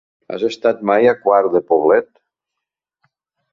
Has estat mai a Quart de Poblet?